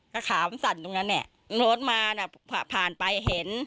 ก็ขามันสั่นตรงนั้นเนี่ยรถมาน่ะผ่านไปเห็น